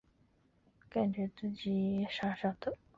白马薹草为莎草科薹草属下的一个种。